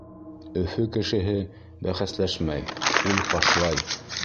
Өфө кешеһе бәхәсләшмәй, ул фашлай.